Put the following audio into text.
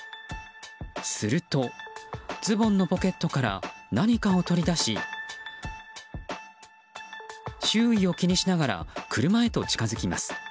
すると、ズボンのポケットから何かを取り出し周囲を気にしながら車へと近づきます。